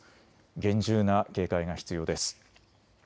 厳重な警戒が必要です。